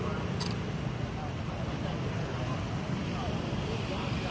สวัสดีทุกคน